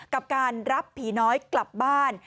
กับการรับผีน้อยกลับบ้าน